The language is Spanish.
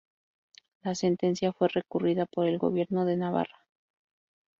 La sentencia fue recurrida por el Gobierno de Navarra.